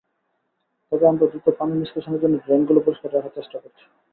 তবে আমরা দ্রুত পানি নিষ্কাশনের জন্য ড্রেনগুলো পরিষ্কার রাখার চেষ্টা করছি।